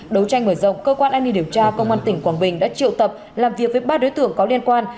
đấu tranh mở rộng cơ quan an ninh điều tra công an tp hcm đã triệu tập làm việc với ba đối tượng có liên quan